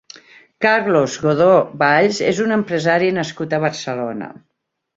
Carlos Godó Valls és un empresari nascut a Barcelona.